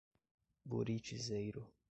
Buritizeiro